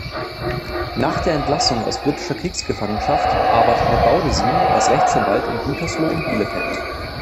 Nach der Entlassung aus britischer Kriegsgefangenschaft arbeitete Baudissin als Rechtsanwalt in Gütersloh und Bielefeld.